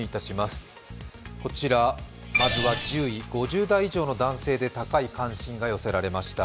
まずは、１０位、５０代以上の男性で高い関心が寄せられました。